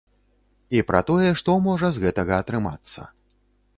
І пра тое, што можа з гэтага атрымацца.